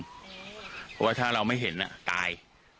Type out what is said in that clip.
เพราะว่าถ้าเราไม่เห็นตาย